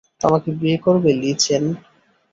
আমাকে বিয়ে করবে, লি-চ্যান?